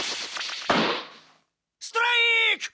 ストライク！